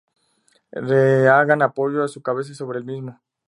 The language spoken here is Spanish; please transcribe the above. Reagan apoyó su cabeza sobre el mismo.